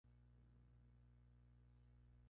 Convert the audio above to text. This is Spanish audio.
Fue parte de la productora Roos Film.